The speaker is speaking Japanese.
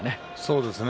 そうですね。